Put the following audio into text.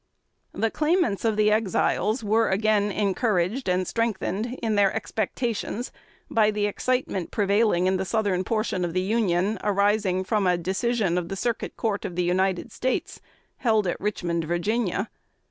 The claimants of the Exiles were again encouraged and strengthened in their expectations by the excitement prevailing in the southern portion of the Union, arising from a decision of the Circuit Court of the United States, held at Richmond, Virginia.